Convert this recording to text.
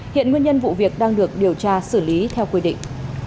hiện nguyên nhân vụ việc đang được điều tra xử lý theo quy định